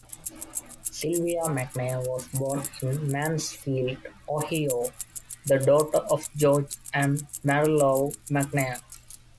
Sylvia McNair was born in Mansfield, Ohio, the daughter of George and Marilou McNair.